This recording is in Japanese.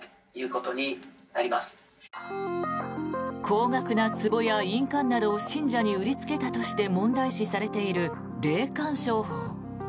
高額なつぼや印鑑などを信者に売りつけたとして問題視されている霊感商法。